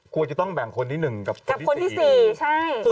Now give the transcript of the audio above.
ควรจะต้องแบ่งคนที่หนึ่งกับคนที่๔กับคนที่๔ใช่